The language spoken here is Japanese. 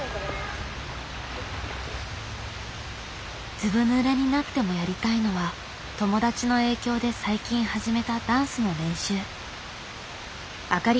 ずぶぬれになってもやりたいのは友達の影響で最近始めたダンスの練習。